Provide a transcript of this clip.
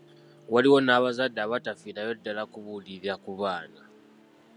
Waliwo n'abazadde abatafiirayo ddala kubuulirira ku baana.